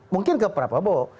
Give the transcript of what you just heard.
mungkin ke pak prabowo